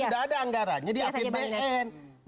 sudah ada anggarannya di apbn